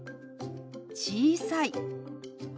「小さい」。